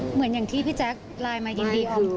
เหมือนอย่างที่พี่แจ๊คไลน์มายินดีของ